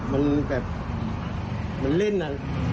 มันแบบมันเล่นอะ